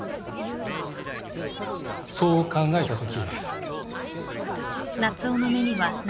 そう考えたとき。